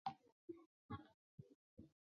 每村各设组一个社区。